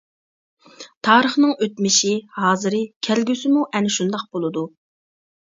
تارىخنىڭ ئۆتمۈشى، ھازىرى، كەلگۈسىمۇ ئەنە شۇنداق بولىدۇ.